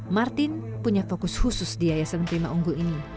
martin punya fokus khusus di yayasan prima unggul ini